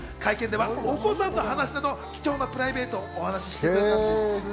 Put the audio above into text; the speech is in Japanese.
会見ではお子さんの話など、貴重なプライベートをお話してくれたんです。